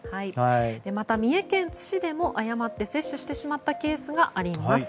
また、三重県津市でも誤って接種してしまったケースがあります。